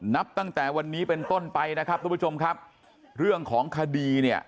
นับตั้งแต่วันนี้เป็นต้นไปนะครับทุกผู้ชมครับเรื่องของคดีเนี่ย